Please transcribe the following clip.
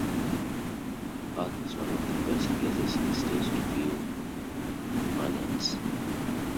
The park is one of the best places in the state to view manatees.